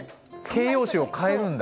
形容詞を変えるんだ。